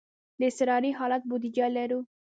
د اضطراري حالت بودیجه لرو؟